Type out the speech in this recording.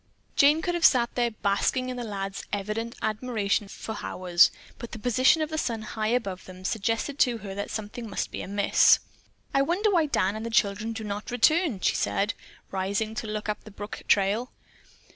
Jane could have sat there basking in the lad's evident admiration for hours, but the position of the sun, high above them, suggested to her that something must be amiss. "I wonder why Dan and the children do not return," she said, rising to look up the brook trail.